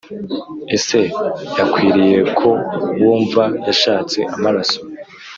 ese yakwiriye ko wumva yashatse amaraso,